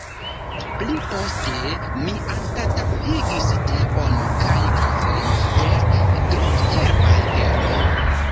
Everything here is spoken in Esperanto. Pli poste mi anstataŭigis teon kaj kafon per drogherbaj teoj.